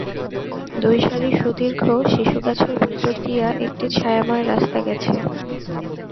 দুই সারি সুদীর্ঘ সিসুগাছের ভিতর দিয়া একটি ছায়াময় রাস্তা গেছে।